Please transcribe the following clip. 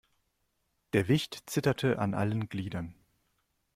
Der Wicht zitterte an allen Gliedern.